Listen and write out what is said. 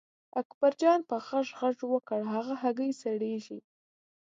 اکبرجان په غږ غږ وکړ هغه هګۍ سړېږي.